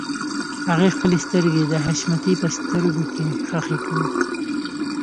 هغې خپلې سترګې د حشمتي په سترګو کې ښخې کړې.